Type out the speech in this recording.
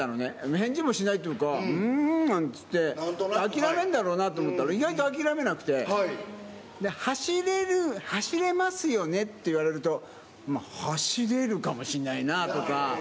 返事もしないというか、うーんなんつって、諦めんだろうなと思ったら、意外と諦めなくて、走れますよねって言われると、まあ、走れるかもしんないなとか。